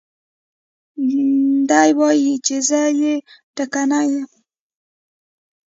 دى وايي چې زه يې ټکټنى يم.